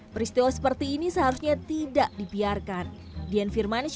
peristiwa seperti ini seharusnya tidak dibiarkan